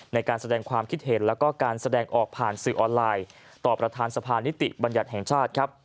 ในการแสดงความคิดเห็นแล้วก็การแสดงออกผ่านสื่อออนไลน์ต่อประธานสภานิติบัญญัติแห่งชาติครับ